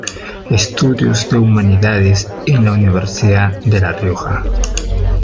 Estudios de Humanidades en la Universidad de La Rioja.